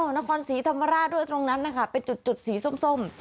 นครศรีธรรมราชด้วยตรงนั้นนะคะเป็นจุดสีส้ม